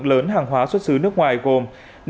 lớn hàng hóa xuất xứ nước ngoài gồm